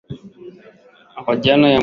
mahojiano ya mwanzo yalifanywa na mwanasheria